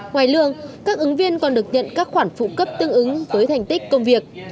ngoài lương các ứng viên còn được nhận các khoản phụ cấp tương ứng với thành tích công việc